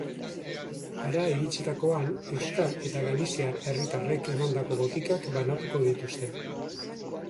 Hara iritsitakoan, euskal eta galiziar herritarrek emandako botikak banatuko dituzte.